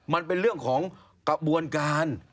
มันเป็นเรื่องของกระบวนการ